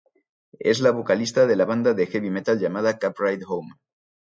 Es la vocalista de la banda de heavy metal llamada "Cab Ride Home".